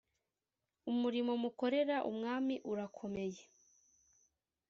umurimo mukorera umwami urakomeye